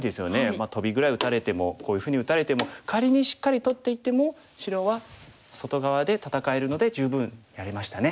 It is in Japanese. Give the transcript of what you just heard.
まあトビぐらい打たれてもこういうふうに打たれても仮にしっかり取っていても白は外側で戦えるので十分やれましたね。